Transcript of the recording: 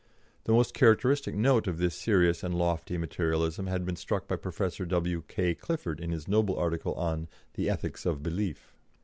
The most characteristic note of this serious and lofty Materialism had been struck by Professor W. K. Clifford in his noble article on the "Ethics of Belief."